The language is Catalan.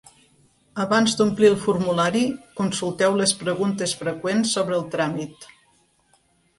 Abans d'omplir el formulari, consulteu les preguntes freqüents sobre el tràmit.